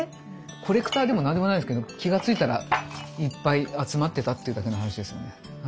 コレクターでも何でもないんですけど気が付いたらいっぱい集まってたっていうだけの話ですよね。